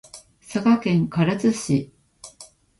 佐賀県唐津市